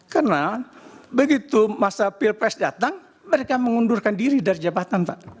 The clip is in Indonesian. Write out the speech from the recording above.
karena begitu masa pilpres datang mereka mengundurkan diri dari jabatan pak